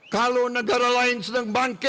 kalau negara lain sedang bangkit